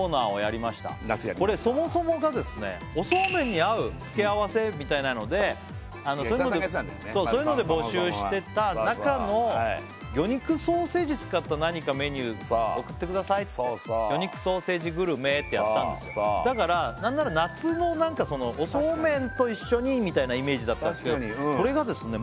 これそもそもがですねおそうめんに合う付け合わせみたいなのでそういうので募集してた中の魚肉ソーセージ使った何かメニュー送ってくださいって「魚肉ソーセージグルメ」ってやってたんですよだから何なら夏の何かおそうめんと一緒にみたいなイメージだったけどこれがですね